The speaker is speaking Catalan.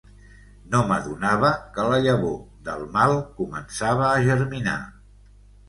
No m'adonava que la llavor del mal començava a germinar.